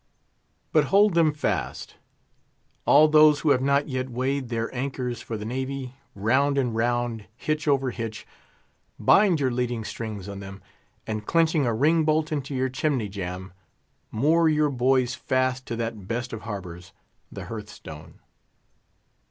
But hold them fast—all those who have not yet weighed their anchors for the Navy round and round, hitch over hitch, bind your leading strings on them, and clinching a ring bolt into your chimmey jam, moor your boys fast to that best of harbours, the hearth stone.